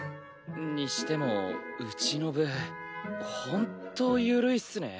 にしてもうちの部ほんと緩いっすね。